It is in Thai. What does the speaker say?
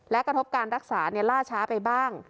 และกระทบการรักษาล่าช้าไปบ้าง